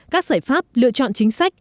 các giải pháp lựa chọn chính sách